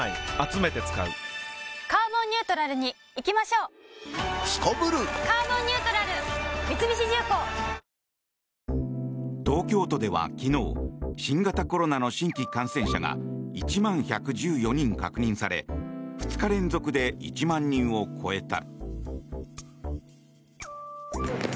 しかし、感染の急拡大が続く北海道では東京都では昨日新型コロナの新規感染者が１万１１４人確認され２日連続で１万人を超えた。